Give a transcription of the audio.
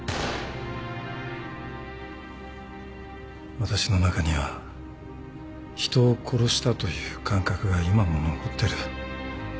私の中には人を殺したという感覚が今も残ってる。